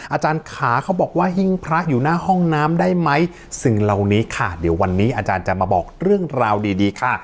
อาจารย์ขาเขาบอกว่าหิ้งพระอยู่หน้าห้องน้ำได้ไหมสิ่งเหล่านี้ค่ะเดี๋ยววันนี้อาจารย์จะมาบอกเรื่องราวดีดีค่ะ